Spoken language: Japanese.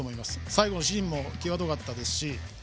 最後のシーンも際どかったですし。